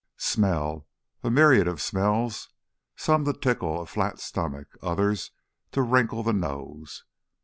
Smell, a myriad of smells, some to tickle a flat stomach, others to wrinkle the nose.